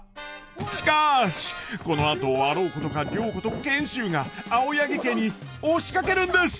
しかしこのあとあろうことか良子と賢秀が青柳家に押しかけるんです！